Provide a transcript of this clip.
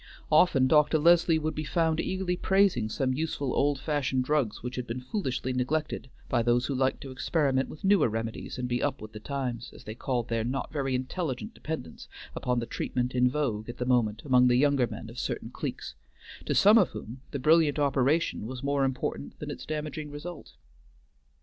Often Dr. Leslie would be found eagerly praising some useful old fashioned drugs which had been foolishly neglected by those who liked to experiment with newer remedies and be "up with the times," as they called their not very intelligent dependence upon the treatment in vogue at the moment among the younger men of certain cliques, to some of whom the brilliant operation was more important than its damaging result.